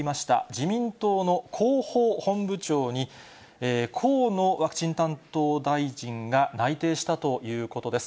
自民党の広報本部長に、河野ワクチン担当大臣が内定したということです。